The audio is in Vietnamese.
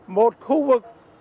một khu vực